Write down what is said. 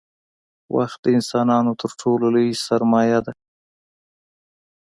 • وخت د انسانانو تر ټولو لوی سرمایه دی.